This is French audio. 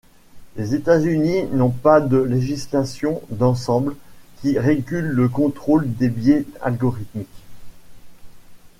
Les États-Unis n'ont pas de législation d'ensemble qui régule le contrôle des biais algorithmiques.